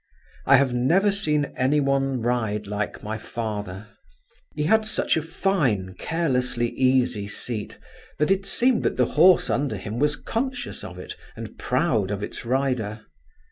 I have never seen any one ride like my father; he had such a fine carelessly easy seat, that it seemed that the horse under him was conscious of it, and proud of its rider.